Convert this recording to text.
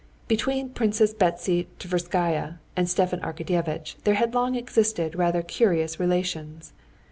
Between Princess Betsy Tverskaya and Stepan Arkadyevitch there had long existed rather curious relations.